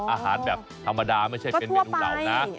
อาหารแบบธรรมดาไม่ใช่เป็นเมนูเหล่านะ